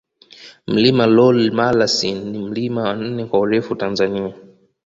Mlima Lool Malasin ni mlima wa nne kwa urefu Tanzania